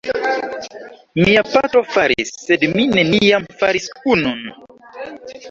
Mia patro faris, sed mi neniam faris unun.